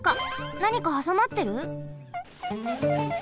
なにかはさまってる？